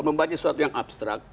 membaca suatu yang abstrak